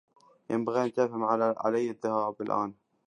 ينبغي أن تفهم أنه عليّ الذهاب الآن.